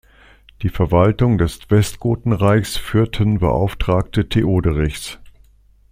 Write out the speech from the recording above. Die Verwaltung des Westgotenreichs führten Beauftragte Theoderichs.